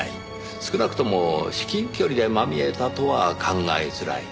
少なくとも至近距離でまみえたとは考えづらい。